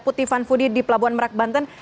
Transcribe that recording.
puti fanfudi di pelabuhan merak banten